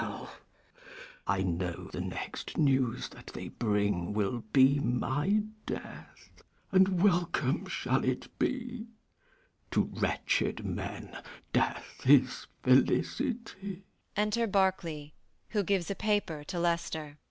_ I know the next news that they bring Will be my death; and welcome shall it be: To wretched men death is felicity.